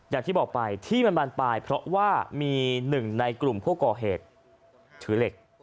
อย่างที่บอกไปที่มันบานปลายเพราะว่ามีหนึ่งในกลุ่มผู้ก่อเหตุถือเหล็ก